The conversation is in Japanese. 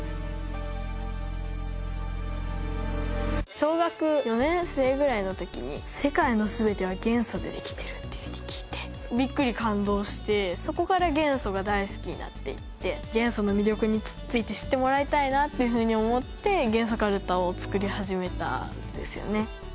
小学４年生ぐらいの時に世界の全ては元素でできているっていうふうに聞いてびっくり感動してそこから元素が大好きになっていって元素の魅力について知ってもらいたいなっていうふうに思って元素カルタを作り始めたんですよね。